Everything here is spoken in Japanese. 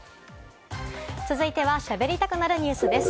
続いては、しゃべりたくなるニュスです。